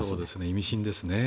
意味深ですね。